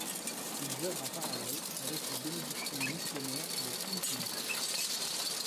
Ils œuvrent en parallèle avec les bénédictines missionnaires de Tutzing.